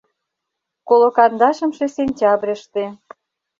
— Коло кандашымше сентябрьыште.